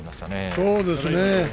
そうですね。